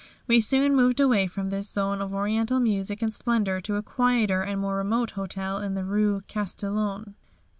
We soon moved away from this zone of oriental music and splendour to a quieter and more remote hotel in the Rue Castiglione. Dr.